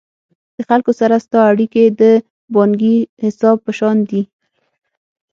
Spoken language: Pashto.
د خلکو سره ستا اړیکي د بانکي حساب په شان دي.